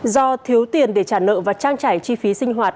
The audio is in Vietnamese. do thiếu tiền để trả nợ và trang trải chi phí sinh hoạt